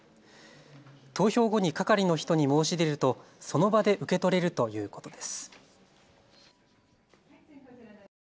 投票後に係の人に申し出るとその場で受け取れるということです。